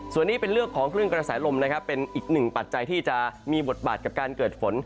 ส่วนนี้เป็นเรื่องของคลื่นกระแสลมนะครับเป็นอีกหนึ่งปัจจัยที่จะมีบทบาทกับการเกิดฝน